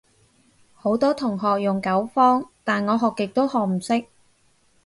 好多同學用九方，但我學極都學唔識